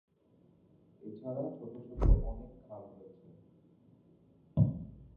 এছাড়া ছোট ছোট অনেক খাল রয়েছে।